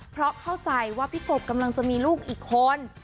เพราะเข้าใจว่าพี่กบกำลังจะมีลูกอีกคน